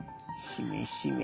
しめしめ。